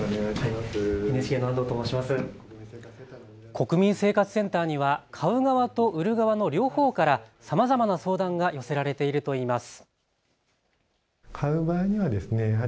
国民生活センターには買う側と売る側の両方からさまざまな相談が寄せられているといいます。